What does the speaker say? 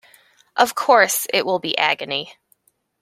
Of course, it will be agony.